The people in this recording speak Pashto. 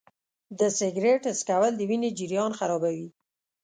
د سګرټ څکول د وینې جریان خرابوي.